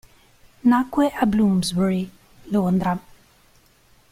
Nacque a Bloomsbury, Londra.